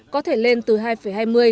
có thể lên từ hai hai mươi m